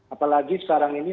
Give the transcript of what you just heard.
apalagi sekarang ini